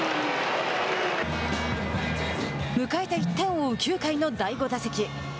迎えた１点を追う９回の第５打席。